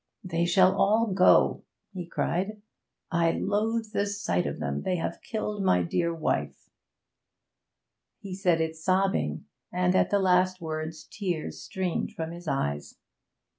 'They shall all go!' he cried. 'I loathe the sight of them. They have killed my dear wife!' He said it sobbing, and at the last words tears streamed from his eyes.